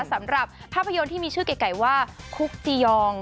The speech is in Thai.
สำหรับภาพยนตร์ที่มีชื่อไก่ว่าคุกจียอง